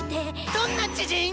どんな知人⁉